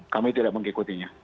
kami tidak mengikutinya